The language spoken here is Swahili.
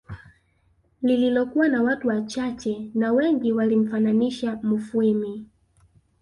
Lililokuwa na watu wachache na Wengi walimfananisha Mufwimi